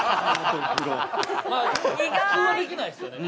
普通はできないですよね。